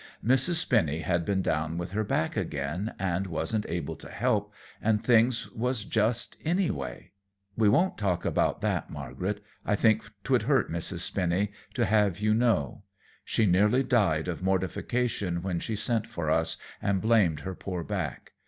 Mrs. Spinny had been down with her back again and wasn't able to help, and things was just anyway. We won't talk about that, Margaret; I think 't would hurt Mrs. Spinny to have you know. She nearly died of mortification when she sent for us, and blamed her poor back.